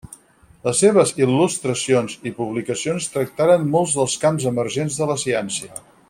Les seves il·lustracions i publicacions tractaren molts dels camps emergents de la ciència.